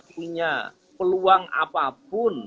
punya peluang apapun